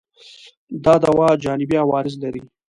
دا دوا جانبي عوارض لري؟